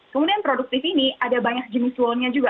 kemudian produktif ini ada banyak jenis loan nya juga